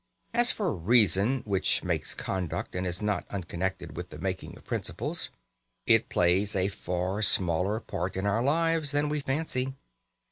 As for reason (which makes conduct, and is not unconnected with the making of principles), it plays a far smaller part in our lives than we fancy.